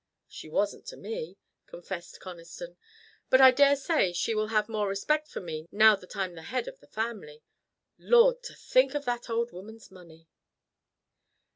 "She wasn't to me," confessed Conniston; "but I daresay she will have more respect for me now that I'm the head of the family. Lord! to think of that old woman's money."